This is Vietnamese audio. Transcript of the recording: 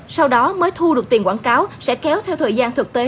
sau đó mới thu được tiền quảng cáo sẽ kéo theo thời gian thực tế